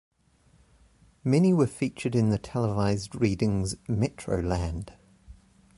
Many were featured in the televised readings "Metroland".